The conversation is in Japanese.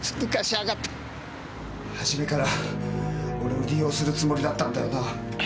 初めから俺を利用するつもりだったんだよな。